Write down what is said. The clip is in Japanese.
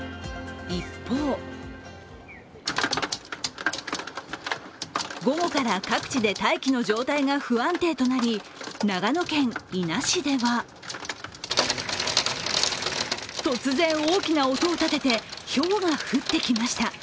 一方午後から各地で大気の状態が不安定となり長野県伊那市では突然大きな音を立てて、ひょうが降ってきました。